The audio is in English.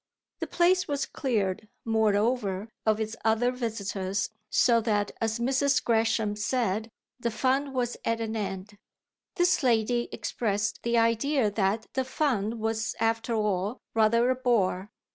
The place was cleared, moreover, of its other visitors, so that, as Mrs. Gresham said, the fun was at an end. This lady expressed the idea that the fun was after all rather a bore.